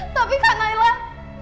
tapi kak nailah